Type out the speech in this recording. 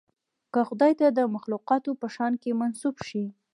که خدای ته د مخلوقاتو په شأن کې منسوب شي.